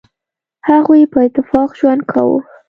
هغوی په اتفاق ژوند کاوه.